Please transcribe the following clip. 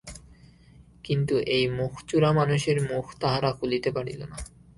কিন্তু এই মুখচোরা মানুষের মুখ তাহারা খুলিতে পারিল না।